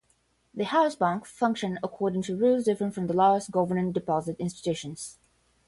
The House Bank functioned according to rules different from the laws governing deposit institutions.